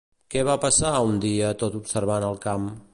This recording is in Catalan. Què va passar, un dia, tot observant el camp?